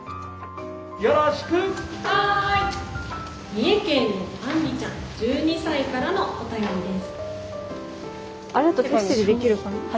三重県のあんりちゃん１２歳からのお便りです」。